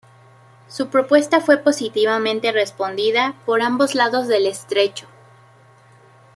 Su propuesta fue positivamente respondida por ambos lados del estrecho.